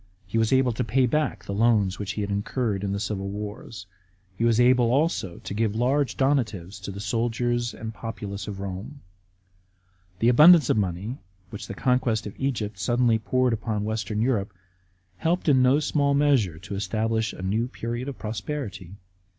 He was able to pay back the loans which he had incurred in the civil wars. He was able also to give large donatives to the soldiers and the populace of Rome. The abundance of money which the conquest of Egypt suddenly poured upon Western Europe helped in no small measure to establish a new period of prosperity.